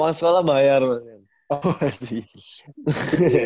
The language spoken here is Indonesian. uang sekolah bayar mas cen